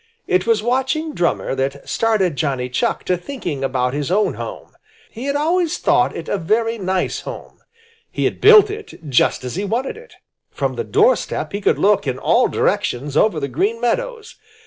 It was watching Drummer that started Johnny Chuck to thinking about his own home. He had always thought it a very nice home. He had built it just as he wanted it. From the doorstep he could look in all directions over the Green Meadows.